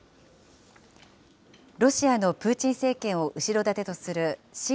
ロシアのプーチン政権を後ろ盾とする親